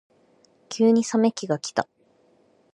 急に冷め期がきた。